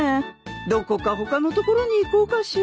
どこか他の所に行こうかしら